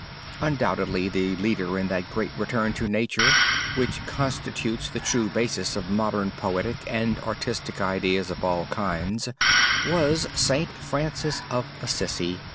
Undoubtedly the leader in that great return to nature, which constitutes the true basis of modern poetic and artistic ideas of all kinds, was St. Francis of Assisi.